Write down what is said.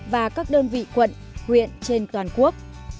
và các đơn vị quận huyện trên toàn quốc